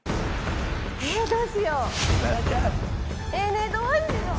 ねえどうしよう？